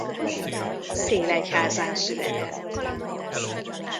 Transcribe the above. Félegyházán született.